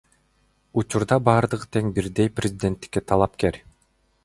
Учурда бардыгы тең бирдей президенттикке талапкер.